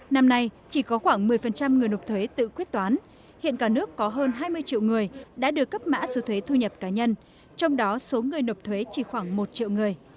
năm nay chỉ có khoảng một mươi người nộp thuế tự quyết toán hiện cả nước có hơn hai mươi triệu người đã được cấp mã số thuế thu nhập cá nhân trong đó số người nộp thuế chỉ khoảng một triệu người